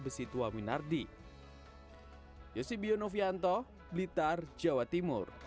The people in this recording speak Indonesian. usaha besi tua winardi